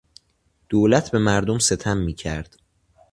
دولت به مردم ستم میکرد.